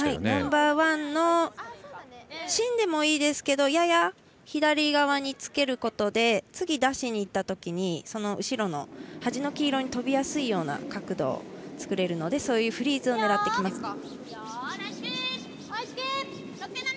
ナンバーワンの芯でもいいですけどやや左側につけることで次、出しにいったときにその後ろの端の黄色に飛びやすいような角度を作れるのでそういうフリーズを狙ってきます。